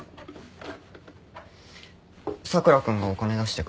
佐倉君がお金出してくれた。